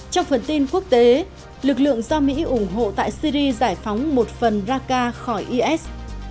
trong phần tin quốc tế lực lượng do mỹ ủng hộ tại syri giải phóng một phần raka khỏi is